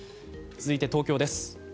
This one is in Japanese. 続いて東京です。